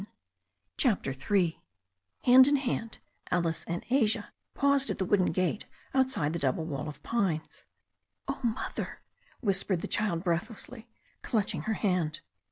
I CHAPTER III HAND in hand, Alice and Asia paused at the wooden gate outside the double wall of pines. "Oh, Mother," whispered the child breath lessly, clutching her hand.